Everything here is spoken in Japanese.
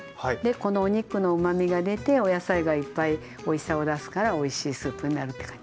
このお肉のうまみが出てお野菜がいっぱいおいしさを出すからおいしいスープになるって感じ。